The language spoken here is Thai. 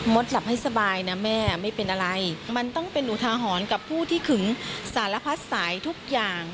หลับให้สบายนะแม่ไม่เป็นอะไรมันต้องเป็นอุทาหรณ์กับผู้ที่ขึงสารพัดสายทุกอย่าง